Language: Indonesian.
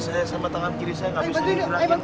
kaki kiri sama tangan kiri saya nggak bisa digerakin pak